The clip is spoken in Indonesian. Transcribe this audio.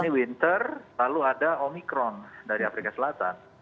dan ini winter lalu ada omikron dari afrika selatan